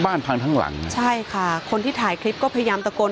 แล้วน้ำซัดมาอีกละรอกนึงนะฮะจนในจุดหลังคาที่เขาไปเกาะอยู่เนี่ย